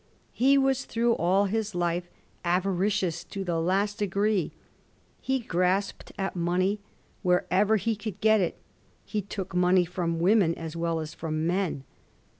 He was through all his life avaricious to the last degree; he grasped at money wherever he could get it ; he took money from women as well as from men.